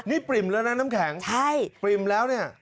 นี่ปริ่มแล้วนะน้ำแข็งใช่ปริ่มแล้วเนี่ย